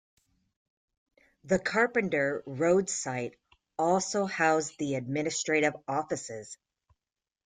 The Carpenter Road site also housed the administrative offices.